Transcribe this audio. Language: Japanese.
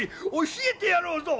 教えてやろうぞ！